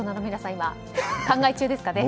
今、考え中ですかね。